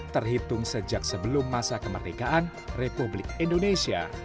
terhitung sejak sebelum masa kemerdekaan republik indonesia